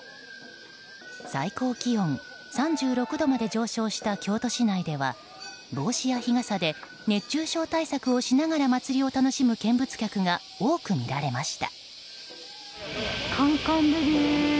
最高気温３６度まで上昇した京都市内では帽子や日傘で熱中症対策をしながら祭りを楽しむ見物客が多く見られました。